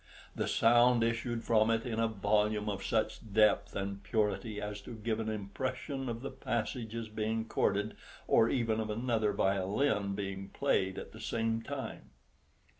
The sound issued from it in a volume of such depth and purity as to give an impression of the passages being chorded, or even of another violin being played at the same time.